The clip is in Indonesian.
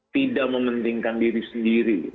tidak mementingkan diri sendiri